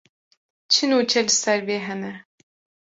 Çi nûçe li ser vê hene.